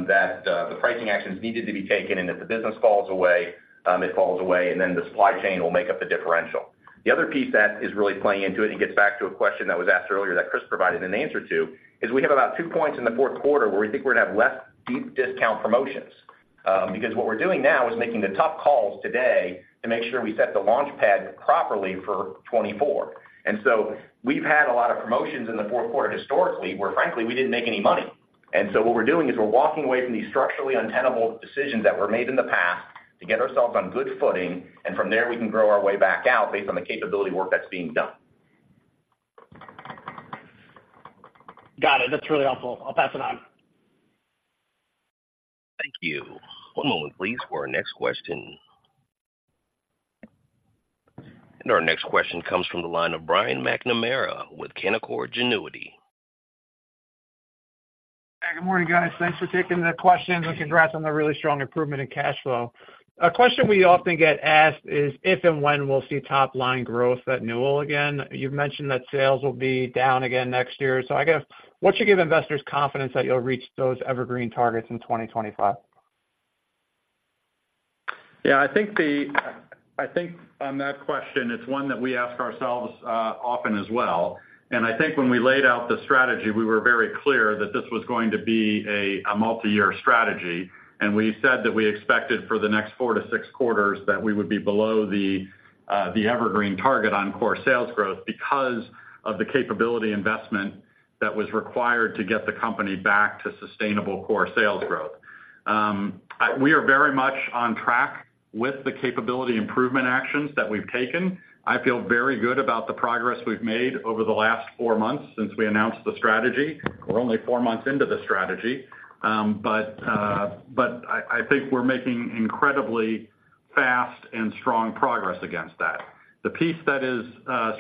Speaker 4: that the pricing actions needed to be taken, and if the business falls away, it falls away, and then the supply chain will make up the differential. The other piece that is really playing into it, and gets back to a question that was asked earlier that Chris provided an answer to, is we have about two points in the fourth quarter where we think we're gonna have less deep discount promotions. Because what we're doing now is making the tough calls today to make sure we set the launch pad properly for 2024. We've had a lot of promotions in the fourth quarter historically, where frankly, we didn't make any money. What we're doing is we're walking away from these structurally untenable decisions that were made in the past to get ourselves on good footing, and from there we can grow our way back out based on the capability work that's being done.
Speaker 8: Got it. That's really helpful. I'll pass it on.
Speaker 1: Thank you. One moment, please, for our next question. Our next question comes from the line of Brian McNamara with Canaccord Genuity.
Speaker 9: Good morning, guys. Thanks for taking the questions, and congrats on the really strong improvement in cash flow. A question we often get asked is, if and when we'll see top line growth at Newell again? You've mentioned that sales will be down again next year. So I guess, what should give investors confidence that you'll reach those evergreen targets in 2025?
Speaker 3: Yeah, I think on that question, it's one that we ask ourselves, often as well. And I think when we laid out the strategy, we were very clear that this was going to be a multi-year strategy. And we said that we expected for the next four to six quarters that we would be below the evergreen target on Core Sales growth because of the capability investment that was required to get the company back to sustainable Core Sales growth. We are very much on track with the capability improvement actions that we've taken. I feel very good about the progress we've made over the last four months since we announced the strategy. We're only four months into the strategy, but I think we're making incredibly fast and strong progress against that. The piece that is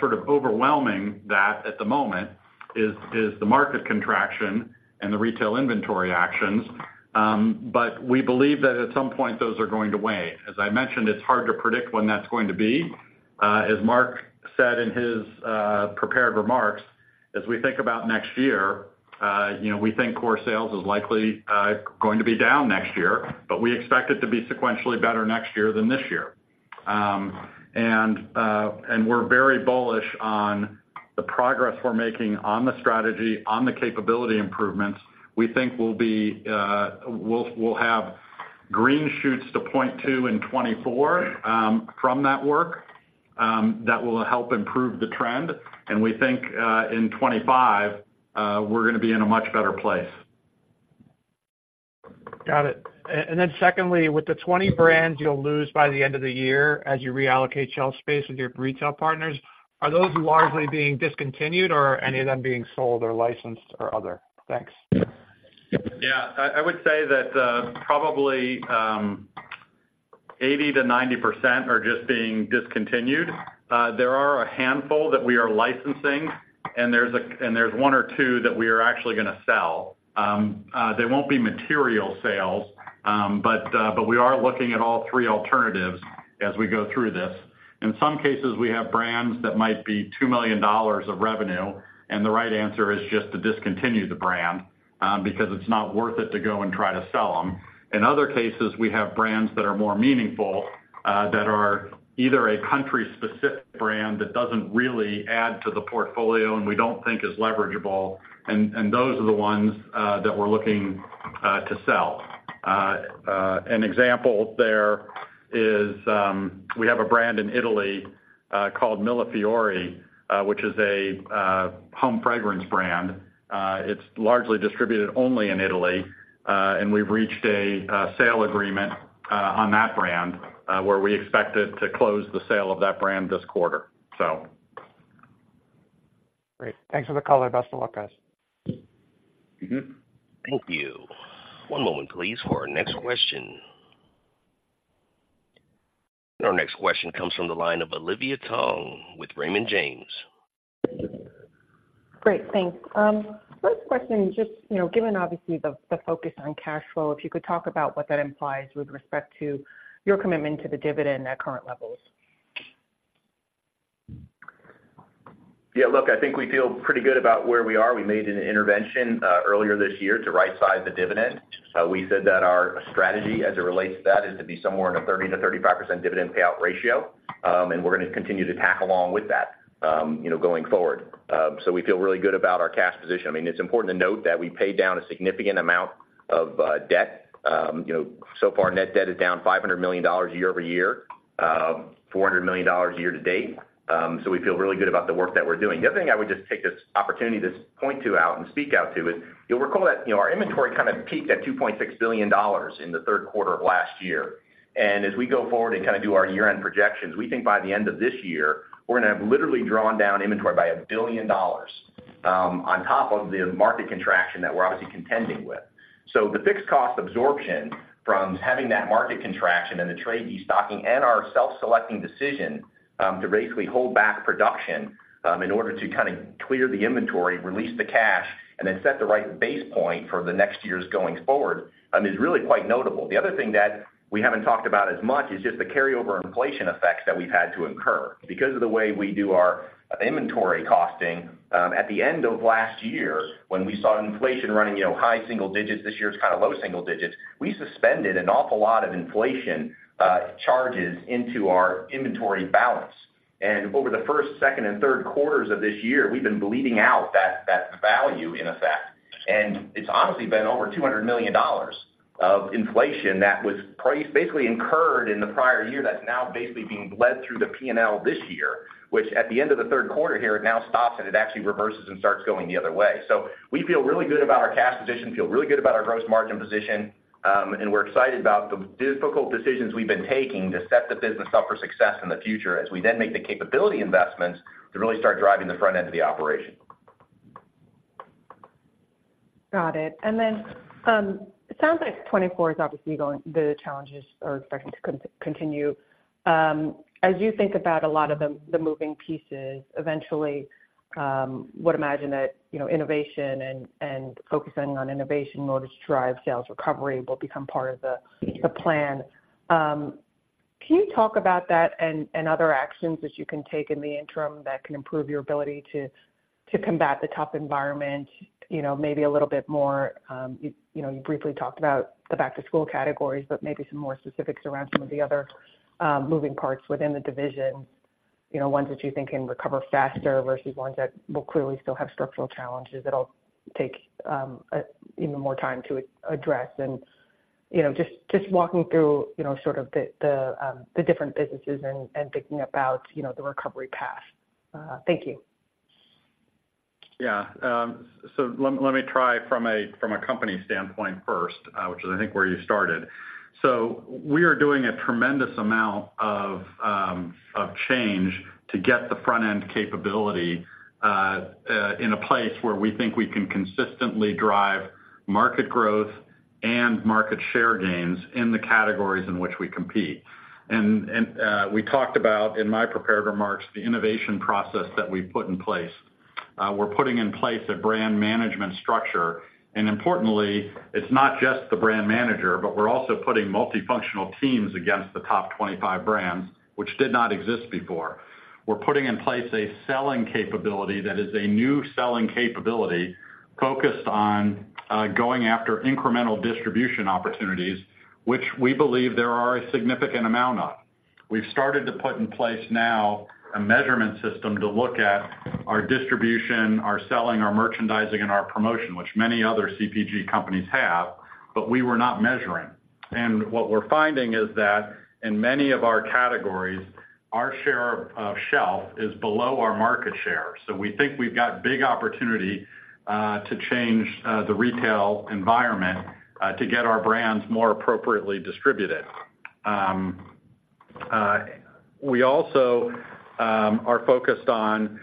Speaker 3: sort of overwhelming at the moment is the market contraction and the retail inventory actions, but we believe that at some point, those are going to wane. As I mentioned, it's hard to predict when that's going to be. As Mark said in his prepared remarks, as we think about next year, you know, we think Core Sales is likely going to be down next year, but we expect it to be sequentially better next year than this year. And we're very bullish on the progress we're making on the strategy, on the capability improvements. We think we'll have green shoots to point to in 2024, from that work that will help improve the trend, and we think in 2025, we're gonna be in a much better place.
Speaker 9: Got it. And then secondly, with the 20 brands you'll lose by the end of the year as you reallocate shelf space with your retail partners, are those largely being discontinued or are any of them being sold or licensed or other? Thanks.
Speaker 3: Yeah, I would say that probably 80%-90% are just being discontinued. There are a handful that we are licensing, and there's one or two that we are actually gonna sell. They won't be material sales, but we are looking at all three alternatives as we go through this. In some cases, we have brands that might be $2 million of revenue, and the right answer is just to discontinue the brand because it's not worth it to go and try to sell them. In other cases, we have brands that are more meaningful that are either a country-specific brand that doesn't really add to the portfolio and we don't think is leverageable, and those are the ones that we're looking to sell. An example there is, we have a brand in Italy called Millefiori, which is a home fragrance brand. It's largely distributed only in Italy, and we've reached a sale agreement on that brand, where we expect it to close the sale of that brand this quarter, so.
Speaker 9: Great. Thanks for the color. Best of luck, guys.
Speaker 1: Thank you. One moment, please, for our next question. Our next question comes from the line of Olivia Tong with Raymond James.
Speaker 10: Great, thanks. First question, just, you know, given obviously the focus on cash flow, if you could talk about what that implies with respect to your commitment to the dividend at current levels?
Speaker 4: Yeah, look, I think we feel pretty good about where we are. We made an intervention earlier this year to right-size the dividend. We said that our strategy as it relates to that, is to be somewhere in a 30%-35% dividend payout ratio, and we're gonna continue to tack along with that, you know, going forward. So we feel really good about our cash position. I mean, it's important to note that we paid down a significant amount of debt. You know, so far, net debt is down $500 million year-over-year, $400 million year-to-date. So we feel really good about the work that we're doing. The other thing I would just take this opportunity to point to out and speak out to is, you'll recall that, you know, our inventory kind of peaked at $2.6 billion in the third quarter of last year. And as we go forward and kind of do our year-end projections, we think by the end of this year, we're gonna have literally drawn down inventory by $1 billion, on top of the market contraction that we're obviously contending with. So the fixed cost absorption from having that market contraction and the trade de-stocking and our self-selecting decision, to basically hold back production, in order to kind of clear the inventory, release the cash, and then set the right base point for the next years going forward, is really quite notable. The other thing that we haven't talked about as much is just the carryover inflation effects that we've had to incur. Because of the way we do our inventory costing, at the end of last year, when we saw inflation running, you know, high single digits, this year it's kind of low single digits, we suspended an awful lot of inflation charges into our inventory balance. And over the first, second, and third quarters of this year, we've been bleeding out that value, in effect. And it's honestly been over $200 million of inflation that was basically incurred in the prior year that's now basically being bled through the P&L this year, which at the end of the third quarter here, it now stops and it actually reverses and starts going the other way. So we feel really good about our cash position, feel really good about our gross margin position, and we're excited about the difficult decisions we've been taking to set the business up for success in the future, as we then make the capability investments to really start driving the front end of the operation.
Speaker 10: Got it. And then, it sounds like 2024 is obviously going, the challenges are expecting to continue. As you think about a lot of the moving pieces, eventually, would imagine that, you know, innovation and focusing on innovation in order to drive sales recovery will become part of the plan. Can you talk about that and other actions that you can take in the interim that can improve your ability to combat the tough environment? You know, maybe a little bit more, you know, you briefly talked about the back-to-school categories, but maybe some more specifics around some of the other moving parts within the division, you know, ones that you think can recover faster versus ones that will clearly still have structural challenges that'll take even more time to address. You know, just walking through, you know, sort of the different businesses and thinking about, you know, the recovery path. Thank you.
Speaker 3: Yeah. So let me try from a company standpoint first, which is, I think, where you started. We are doing a tremendous amount of change to get the front-end capability in a place where we think we can consistently drive market growth and market share gains in the categories in which we compete. And we talked about, in my prepared remarks, the innovation process that we've put in place. We're putting in place a brand management structure, and importantly, it's not just the brand manager, but we're also putting multifunctional teams against the top 25 brands, which did not exist before. We're putting in place a selling capability that is a new selling capability focused on going after incremental distribution opportunities, which we believe there are a significant amount of. We've started to put in place now a measurement system to look at our distribution, our selling, our merchandising, and our promotion, which many other CPG companies have, but we were not measuring. And what we're finding is that in many of our categories, our share of shelf is below our market share. So we think we've got big opportunity to change the retail environment to get our brands more appropriately distributed. We also are focused on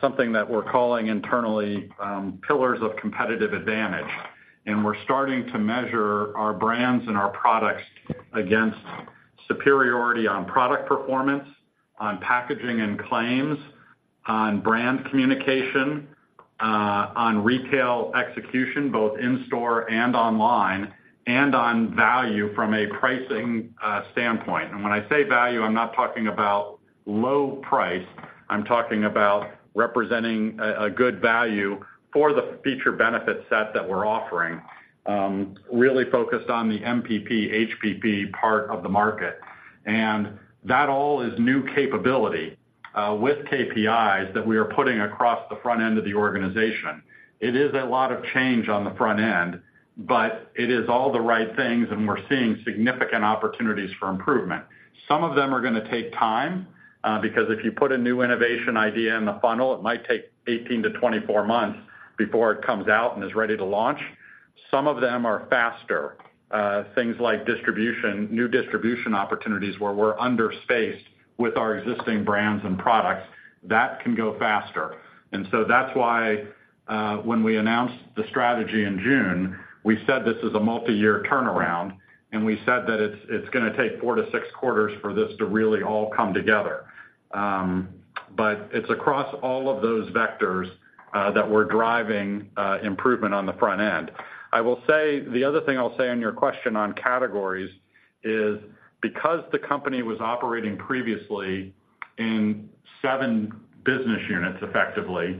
Speaker 3: something that we're calling internally pillars of competitive advantage, and we're starting to measure our brands and our products against superiority on product performance, on packaging and claims, on brand communication, on retail execution, both in store and online, and on value from a pricing standpoint. And when I say value, I'm not talking about low price. I'm talking about representing a good value for the feature benefit set that we're offering, really focused on the MPP, HPP part of the market. And that all is new capability, with KPIs that we are putting across the front end of the organization. It is a lot of change on the front end, but it is all the right things, and we're seeing significant opportunities for improvement. Some of them are gonna take time, because if you put a new innovation idea in the funnel, it might take 18-24 months before it comes out and is ready to launch. Some of them are faster, things like distribution, new distribution opportunities, where we're under-spaced with our existing brands and products, that can go faster. And so that's why, when we announced the strategy in June, we said this is a multiyear turnaround, and we said that it's, it's gonna take four and six quarters for this to really all come together. But it's across all of those vectors that we're driving improvement on the front end. I will say, the other thing I'll say on your question on categories is because the company was operating previously in seven business units, effectively,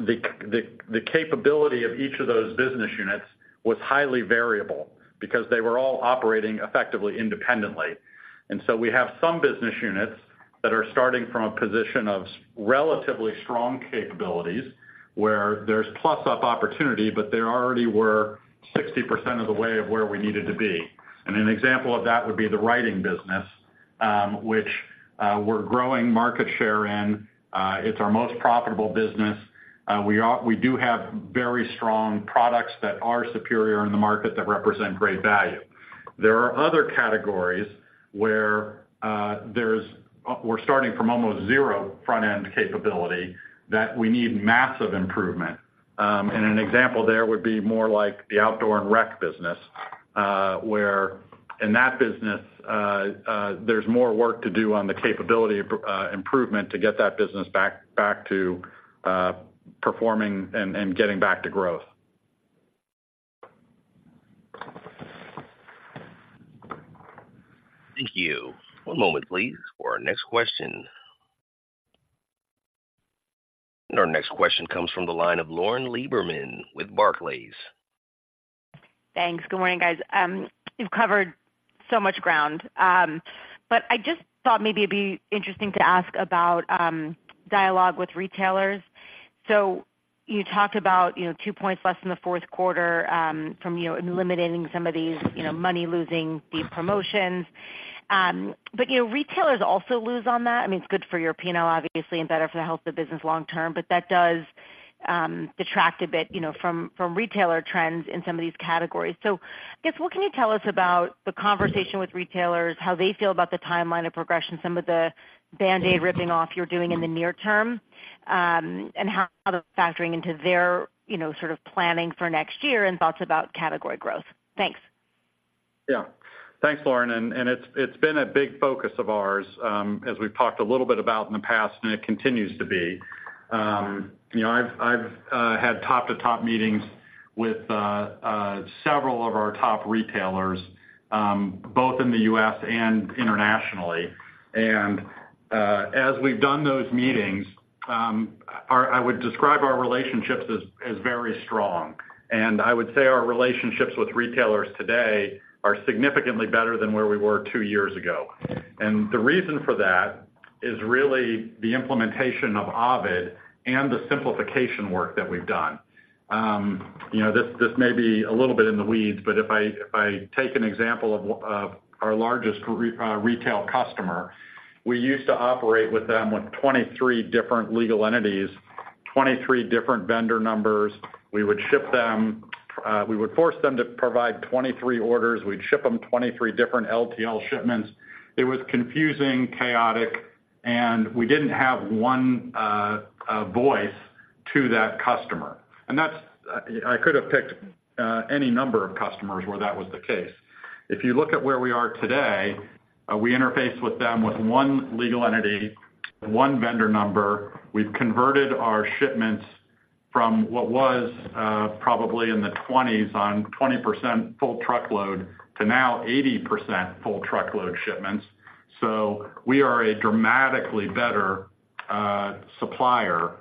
Speaker 3: the capability of each of those business units was highly variable because they were all operating effectively, independently. And so we have some business units that are starting from a position of relatively strong capabilities, where there's plus-up opportunity, but they already were 60% of the way of where we needed to be. An example of that would be the writing business, which we're growing market share in. It's our most profitable business. We do have very strong products that are superior in the market that represent great value. There are other categories where we're starting from almost zero front-end capability, that we need massive improvement. An example there would be more like the outdoor and rec business, where in that business, there's more work to do on the capability improvement to get that business back, back to performing and getting back to growth.
Speaker 1: Thank you. One moment, please, for our next question. Our next question comes from the line of Lauren Lieberman with Barclays.
Speaker 11: Thanks. Good morning, guys. You've covered so much ground, but I just thought maybe it'd be interesting to ask about dialogue with retailers. So you talked about, you know, two points less than the fourth quarter, from, you know, eliminating some of these, you know, money-losing, these promotions. But, you know, retailers also lose on that. I mean, it's good for your P&L, obviously, and better for the health of the business long term, but that does detract a bit, you know, from retailer trends in some of these categories. So I guess, what can you tell us about the conversation with retailers, how they feel about the timeline of progression, some of the Band-Aid ripping off you're doing in the near term, and how they're factoring into their, you know, sort of planning for next year and thoughts about category growth? Thanks.
Speaker 3: Yeah. Thanks, Lauren, and it's been a big focus of ours, as we've talked a little bit about in the past, and it continues to be. You know, I've had top-to-top meetings with several of our top retailers, both in the U.S. and internationally. And as we've done those meetings, I would describe our relationships as very strong. And I would say our relationships with retailers today are significantly better than where we were two years ago. And the reason for that is really the implementation of OVID and the simplification work that we've done. You know, this may be a little bit in the weeds, but if I take an example of our largest retail customer, we used to operate with them with 23 different legal entities, 23 different vendor numbers. We would ship them. We would force them to provide 23 orders. We'd ship them 23 different LTL shipments. It was confusing, chaotic, and we didn't have one voice to that customer. And that's. I could have picked any number of customers where that was the case. If you look at where we are today, we interface with them with one legal entity, one vendor number. We've converted our shipments from what was probably in the twenties, on 20% full truckload, to now 80% full truckload shipments. So we are a dramatically better supplier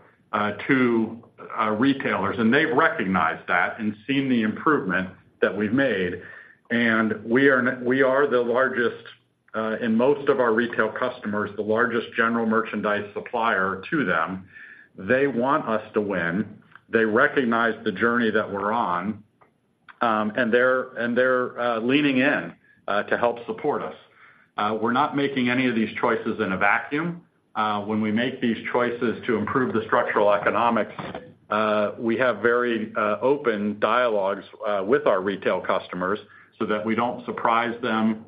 Speaker 3: to retailers, and they've recognized that and seen the improvement that we've made. And we are the largest in most of our retail customers, the largest general merchandise supplier to them. They want us to win. They recognize the journey that we're on, and they're leaning in to help support us. We're not making any of these choices in a vacuum. When we make these choices to improve the structural economics, we have very open dialogues with our retail customers so that we don't surprise them,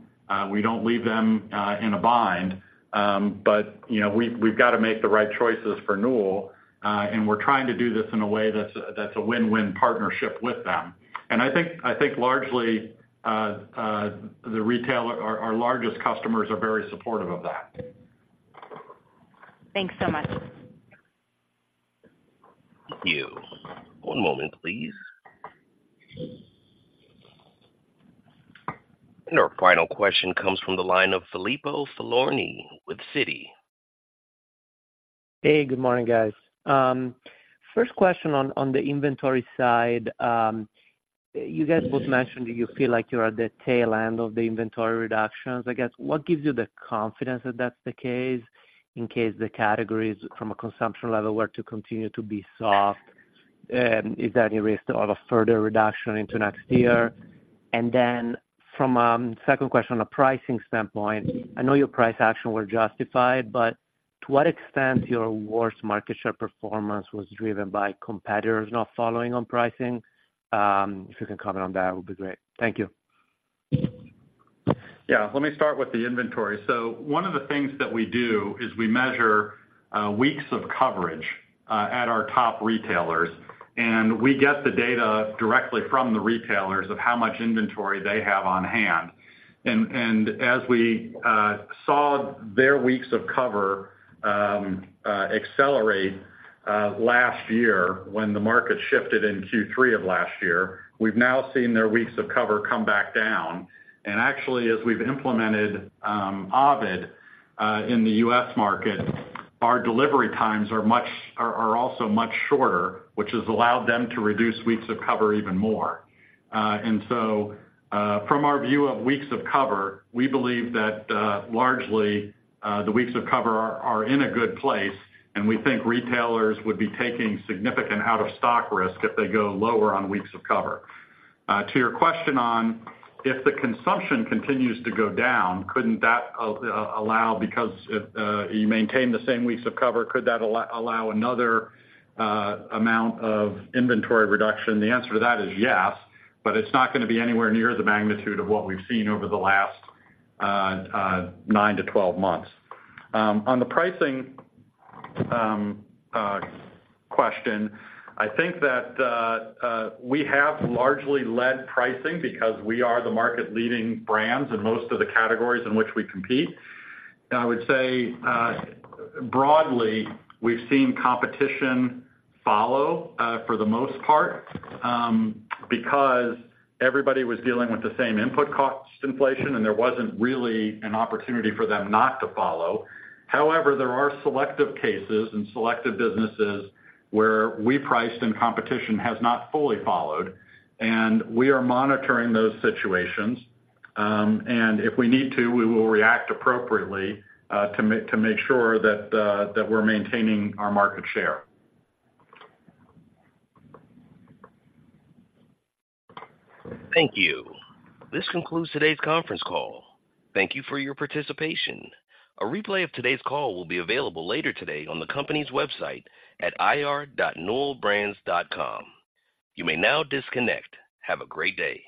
Speaker 3: we don't leave them in a bind. But, you know, we've got to make the right choices for Newell, and we're trying to do this in a way that's a win-win partnership with them. And I think largely, the retail. Our largest customers are very supportive of that.
Speaker 8: Thanks so much.
Speaker 1: Thank you. One moment, please. Our final question comes from the line of Filippo Falorni with Citi.
Speaker 12: Hey, good morning, guys. First question on the inventory side. You guys both mentioned that you feel like you're at the tail end of the inventory reductions. I guess, what gives you the confidence that that's the case, in case the categories from a consumption level were to continue to be soft? And is there any risk of a further reduction into next year? And then from second question, on a pricing standpoint, I know your price action were justified, but to what extent your worst market share performance was driven by competitors not following on pricing? If you can comment on that, it would be great. Thank you.
Speaker 3: Yeah, let me start with the inventory. So one of the things that we do is we measure weeks of coverage at our top retailers, and we get the data directly from the retailers of how much inventory they have on hand. And as we saw their weeks of cover accelerate last year, when the market shifted in Q3 of last year, we've now seen their weeks of cover come back down. And actually, as we've implemented OVID in the U.S. market, our delivery times are also much shorter, which has allowed them to reduce weeks of cover even more. From our view of weeks of cover, we believe that largely the weeks of cover are in a good place, and we think retailers would be taking significant out-of-stock risk if they go lower on weeks of cover. To your question on if the consumption continues to go down, couldn't that allow. Because you maintain the same weeks of cover, could that allow another amount of inventory reduction? The answer to that is yes, but it's not going to be anywhere near the magnitude of what we've seen over the last nine to 12 months. On the pricing question, I think that we have largely led pricing because we are the market-leading brands in most of the categories in which we compete. I would say, broadly, we've seen competition follow, for the most part, because everybody was dealing with the same input cost inflation, and there wasn't really an opportunity for them not to follow. However, there are selective cases and selective businesses where we priced, and competition has not fully followed, and we are monitoring those situations. And if we need to, we will react appropriately, to make sure that we're maintaining our market share.
Speaker 1: Thank you. This concludes today's conference call. Thank you for your participation. A replay of today's call will be available later today on the company's website at ir.newellbrands.com. You may now disconnect. Have a great day.